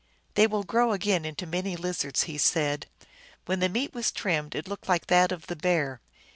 " They will grow again into many lizards," he said. When the meat was trimmed it looked like that of the bear.